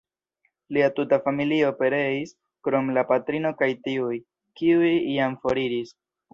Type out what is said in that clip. Lia tuta familio pereis krom la patrino kaj tiuj, kiuj jam foriris.